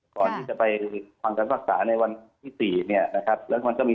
กว่านี้จะไปฟังคำภาษาในวันที่๔แล้วมันก็มีข้อความนึงนะครับ